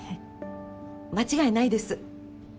間違いないです。